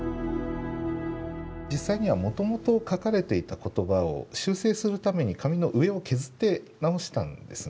実際にはもともと書かれていた言葉を修正するために紙の上を削って直したんですね。